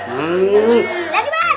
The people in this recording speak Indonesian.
tembak lagi mas